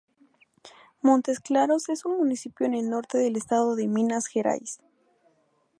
Montes Claros es un municipio en el norte del estado de Minas Gerais.